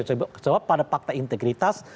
soalnya pada pakta integritas